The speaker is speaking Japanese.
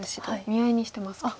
見合いにしてますか。